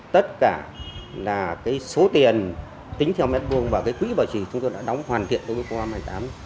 tính theo mét vuông và quỹ bảo trì chúng tôi đã đóng hoàn thiện đối với phóng viên truyền hình nhân dân